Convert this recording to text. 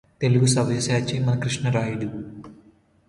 తెలుగుసవ్యసాచి మన కృష్ణరాయుడు